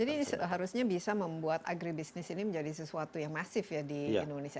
jadi harusnya bisa membuat agribisnis ini menjadi sesuatu yang masif ya di indonesia